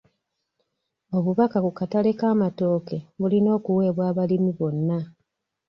Obubaka ku katale k'amatooke bulina okuweebwa abalimi bonna.